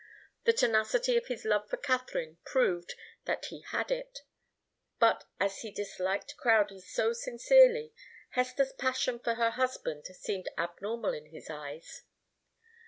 The tenacity of his love for Katharine proved that he had it. But as he disliked Crowdie so sincerely, Hester's passion for her husband seemed abnormal in his eyes.